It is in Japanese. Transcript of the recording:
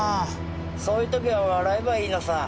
そういう時は笑えばいいのさ。